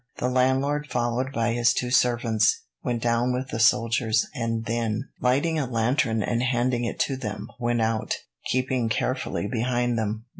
The landlord, followed by his two servants, went down with the soldiers, and then, lighting a lantern and handing it to them, went out, keeping carefully behind them.